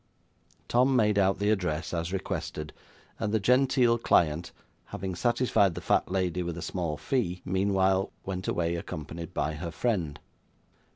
Tom made out the address, as requested, and the genteel client, having satisfied the fat lady with a small fee, meanwhile, went away accompanied by her friend.